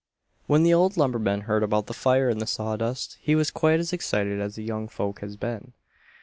When the old lumberman heard about the fire in the sawdust he was quite as excited as the young folk had been.